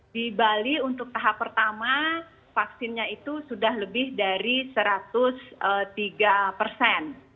di bali untuk tahap pertama vaksinnya itu sudah lebih dari satu ratus tiga persen